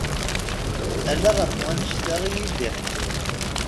Ala ɣef wannect-a iyi-d-iḥekku.